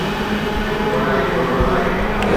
پٺڀرائي گهربل آهي.